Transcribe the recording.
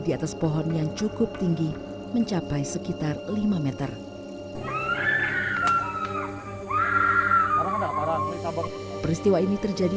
di atas pohon yang cukup tinggi mencapai sekitar lima meter peristiwa ini terjadi